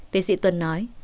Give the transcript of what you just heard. thị sĩ tuấn nói